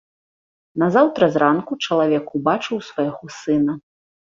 Назаўтра зранку чалавек убачыў свайго сына.